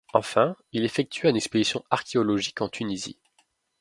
Enfin, il effectua une expédition archéologique en Tunisie.